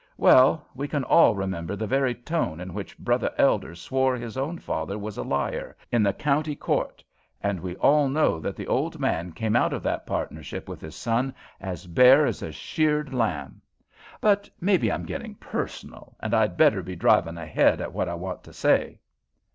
Well, we can all remember the very tone in which brother Elder swore his own father was a liar, in the county court; and we all know that the old man came out of that partnership with his son as bare as a sheared lamb. But maybe I'm getting personal, and I'd better be driving ahead at what I want to say."